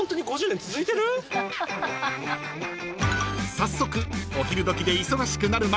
［早速お昼時で忙しくなる前に］